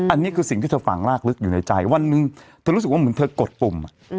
อันนี้คือสิ่งที่เธอฝังลากลึกอยู่ในใจวันหนึ่งเธอรู้สึกว่าเหมือนเธอกดปุ่ม